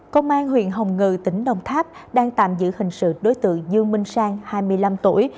công an huyện hồng ngự tỉnh đồng tháp đang tạm giữ hình sự đối tượng dương minh sang hai mươi năm tuổi